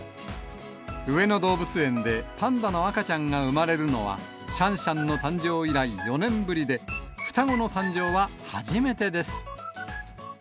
上野動物園でパンダの赤ちゃんが産まれるのは、シャンシャンの誕生以来、４年ぶりで、双子の誕生は初めてです。